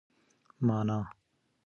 مانا